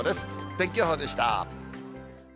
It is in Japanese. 天気予報でした。